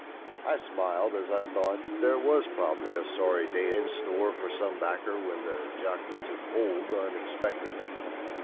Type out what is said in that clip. I smiled as I thought there was probably a sorry day in store for some backer when the jockey "took hold" unexpectedly.